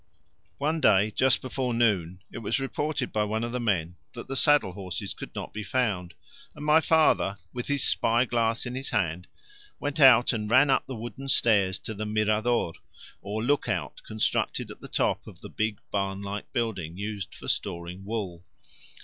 One day, just before noon, it was reported by one of the men that the saddle horses could not be found, and my father, with his spy glass in his hand, went out and ran up the wooden stairs to the mirador or look out constructed at the top of the big barn like building used for storing wool.